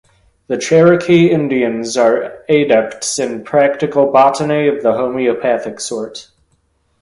The Cherokee Indians are adepts in practical botany of the homeopathic sort.